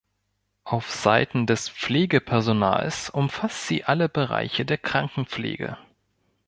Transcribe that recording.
Auf Seiten des Pflegepersonals umfasst sie alle Bereiche der Krankenpflege.